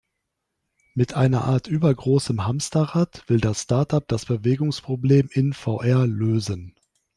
Mit einer Art übergroßem Hamsterrad, will das Startup das Bewegungsproblem in VR lösen.